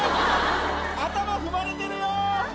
頭踏まれてるよ。